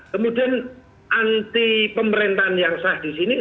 kemudian anti pemerintahan yang sah disini